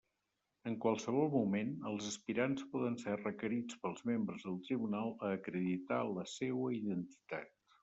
En qualsevol moment, els aspirants poden ser requerits pels membres del tribunal a acreditar la seua identitat.